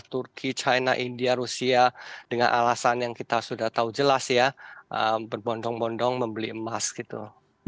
turki china india rusia dengan alasan yang kita sudah tahu jelas ya berbondong bondong membeli emas gitu